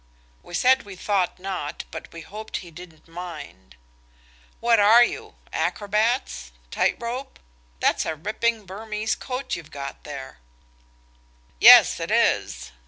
We said we thought not, but we hoped he didn't mind. "What are you? Acrobats? Tight rope? That's a ripping Burmese coat you've got there." "Yes, it is.